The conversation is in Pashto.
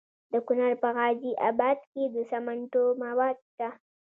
د کونړ په غازي اباد کې د سمنټو مواد شته.